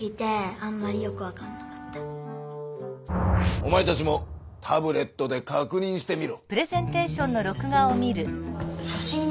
おまえたちもタブレットでかくにんしてみろ。